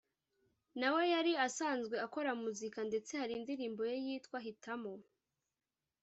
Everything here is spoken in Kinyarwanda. na we yari asanzwe akora muzika ndetse hari indirimbo ye yitwa ‘Hitamo’